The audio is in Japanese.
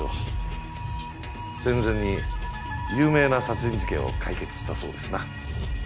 戦前に有名な殺人事件を解決したそうですな。